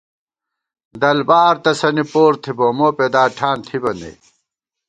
دلبار تسَنی پور تھِبہ، موپېداں ٹھان تھِبہ نئ